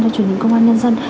cho truyền hình công an nhân dân